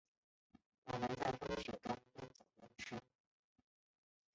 我们在风雪中边走边吃